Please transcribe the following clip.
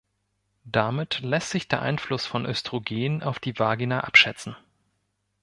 Damit lässt sich der Einfluss von Östrogen auf die Vagina abschätzen.